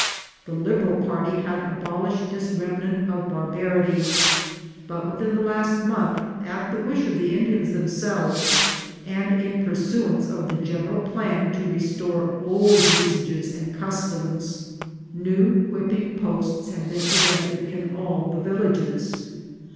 The Liberal party had abolished this remnant of barbarity ; but within the last month, at the wish of the Indians themselves, and in pursuance of the general plan to re store old usages and customs, new whipping posts had been erected in all the villages.